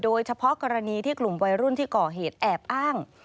โดยเฉพาะกรณีที่กลุ่มวัยรุ่นที่ก่อเหตุแอบอ้าง